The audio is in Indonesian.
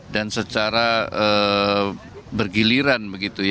dan secara bergiliran begitu